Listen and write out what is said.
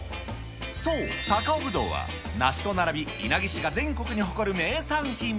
そう、高尾ぶどうは、梨と並び稲城市が全国に誇る名産品。